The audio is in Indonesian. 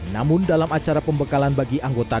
namun dalam acara pembekalan bagi anggota